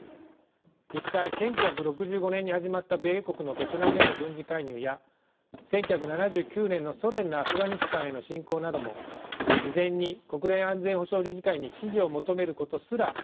実際１９６５年に始まった米国のベトナムへの軍事介入や１９７９年のソ連のアフガニスタンへの侵攻なども事前に国連安全保障理事会に支持を求めることすらありませんでした。